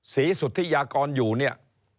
สุธิยากรอยู่เนี่ย